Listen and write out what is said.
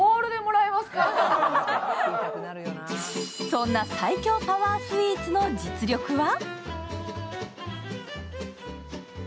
そんな最強パワースイーツの実力は？